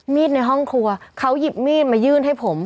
ในห้องครัวเขาหยิบมีดมายื่นให้ผม